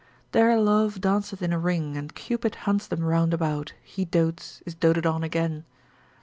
Their love danceth in a ring, and Cupid hunts them round about; he dotes, is doted on again.